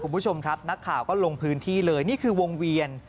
คุณผู้ชมครับนักข่าวก็ลงพื้นที่เลยนี่คือวงเวียน